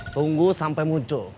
tunggu sampai muncul